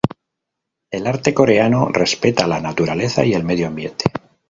El arte coreano respeta la naturaleza y el medio ambiente.